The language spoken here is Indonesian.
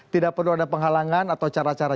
tidak perlu ada penghalangan atau cara cara